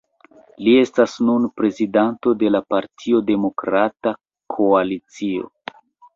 Li estas nun prezidanto de la partio Demokrata Koalicio.